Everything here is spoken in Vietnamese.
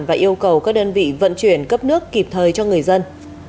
và yêu cầu các đơn vị vận chuyển cấp nước kịp thời cho người dân